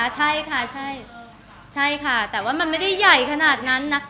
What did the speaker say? ขอถามค่ะใช่ค่ะใช่ค่ะแต่ว่ามันไม่ได้ใหญ่ขนาดนั้นนะ